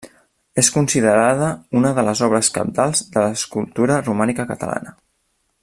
És considerada una de les obres cabdals de l'escultura romànica catalana.